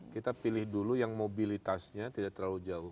kita pilih dulu yang mobilitasnya tidak terlalu jauh